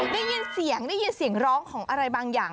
ได้ยินเสียงได้ยินเสียงร้องของอะไรบางอย่าง